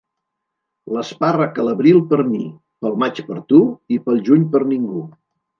L'espàrrec a l'abril per mi, pel maig per tu i pel juny per ningú.